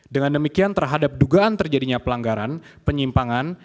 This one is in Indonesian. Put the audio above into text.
dengan demikian terhadap dugaan terjadinya pelanggaran penyimpangan